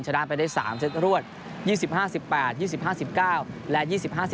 ชนะไปได้๓เซตรวด๒๕๑๘๒๕๑๙และ๒๐๕๐